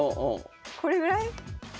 これぐらい？